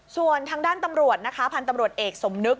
ส่วนทางด้านตำรวจนะคะพันธุ์ตำรวจเอกสมนึก